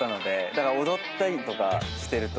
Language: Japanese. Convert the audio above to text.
だから踊ったりとかしてると。